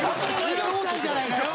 猪木さんじゃないかよ！